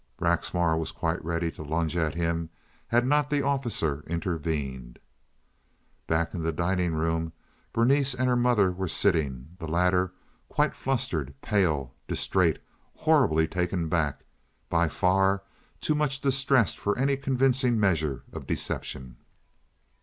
Braxmar was quite ready to lunge at him had not the officer intervened. Back in the dining room Berenice and her mother were sitting, the latter quite flustered, pale, distrait, horribly taken aback—by far too much distressed for any convincing measure of deception.